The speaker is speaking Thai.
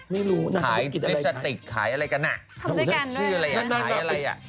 ไม่รู้ขายเจ็บสติกขายอะไรกันอ่ะขายชื่ออะไรอ่ะขายอะไรอ่ะทำด้วยกันด้วย